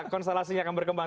konsolasinya akan berkembang